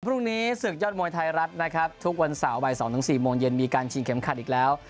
พรุ่งนี้ศึกยอดมวยไทยรัฐนะครับทุกวันเสาร์บ่าย๒๔โมงเย็นมีการชิงเข็มขัดอีกแล้ว